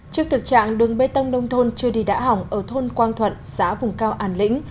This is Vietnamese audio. trước thực trạng đường bê tông nông thôn chưa đi đã hỏng ở thôn quang thuận xã vùng cao an lĩnh